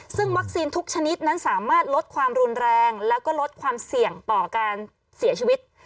ซึ่งวัคซีนทุกชนิดนั้นสามารถลดความรุนแรงแล้วก็ลดความเสี่ยงต่อการเสียชีวิต